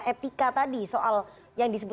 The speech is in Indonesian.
etika tadi soal yang disebut